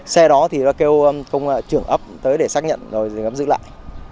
xe đó thì đã kêu công trưởng ấp tới để xác nhận rồi giữ lại